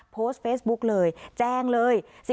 โพสต์เฟซบุ๊กเลยแจ้งเลย